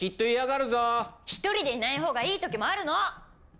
１人でいない方がいい時もあるの！